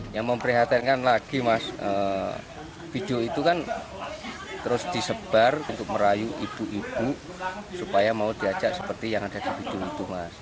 yang memprihatinkan lagi mas video itu kan terus disebar untuk merayu ibu ibu supaya mau diajak seperti yang ada di gedung itu mas